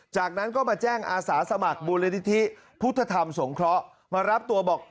จากนั้นก็มาแจ้งอาสาสมัครมูลนิธิพุทธธรรมสงเคราะห์มารับตัวบอก